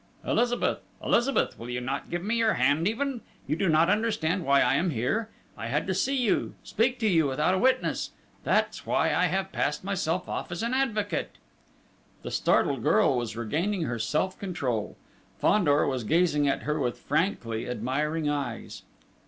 "Elizabeth! Elizabeth! Will you not give me your hand even? You do not understand why I am here? I had to see you, speak to you without a witness ... that's why I have passed myself off as an advocate!" The startled girl was regaining her self control. Fandor was gazing at her with frankly admiring eyes.